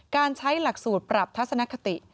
การใช้หลักสูตรปรับทัศนคติ